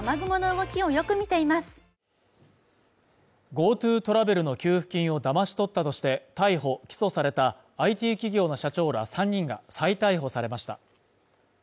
ＧｏＴｏトラベルの給付金をだまし取ったとして逮捕・起訴されたＩＴ企業の社長ら３人が再逮捕されました。